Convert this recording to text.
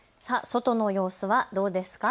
外の様子はどうですか。